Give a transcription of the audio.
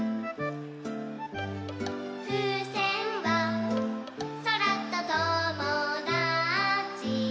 「ふうせんはそらとともだち」